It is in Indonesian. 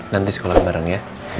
nanti sekolah bareng ya